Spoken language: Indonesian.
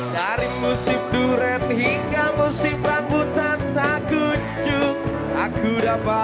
dari musim durian hingga musim rambutan tak kunjung aku dapat